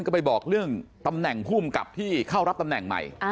ก็ไปบอกเรื่องตำแหน่งภูมิกับที่เข้ารับตำแหน่งใหม่